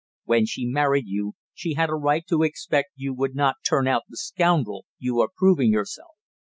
"When she married you, she had a right to expect you would not turn out the scoundrel you are proving yourself."